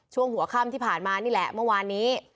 ช่วงหัวค่ำที่ผ่านมานี่แหละเมื่อวานนี้